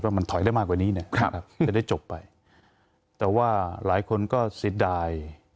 มันถอยได้มากกว่านี้เนี่ยจะได้จบไปแต่ว่าหลายคนก็เสียดาย